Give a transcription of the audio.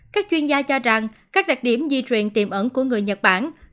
các chuyên gia cho rằng các đặc điểm di chuyển tiềm ẩn của người nhật bản